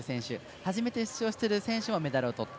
初めて出場してる選手もメダルをとった。